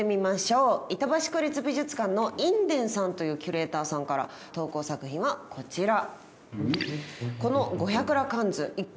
板橋区立美術館の印田さんというキュレーターさんから投稿作品はこちら。